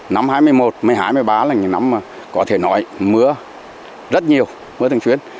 năm hai mươi một một mươi hai một mươi ba là những năm mà có thể nói mưa rất nhiều mưa thường xuyên